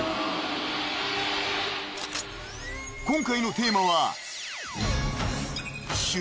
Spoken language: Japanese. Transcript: ［今回のテーマは］